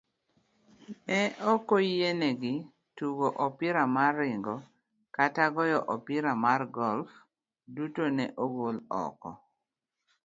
Ne okoyienegi tugoopira mar ringo, kata goyo opira mar golf, duto ne ogol oko